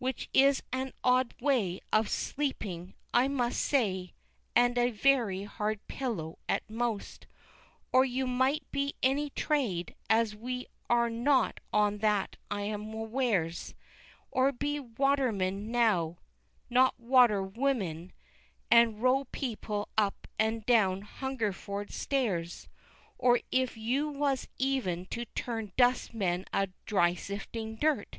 (Which is an od way of sleping, I must say, and a very hard pillow at most,) Or you might be any trade, as we are not on that I'm awares, Or be Watermen now, (not Water wommen) and roe peple up and down Hungerford stares, Or if You Was even to Turn Dust Men a dry sifting Dirt!